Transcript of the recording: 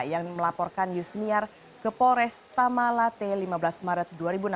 yang melaporkan yusniar ke polres tamalate lima belas maret dua ribu enam belas